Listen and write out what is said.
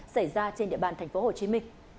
xảy ra trên địa bàn tp hcm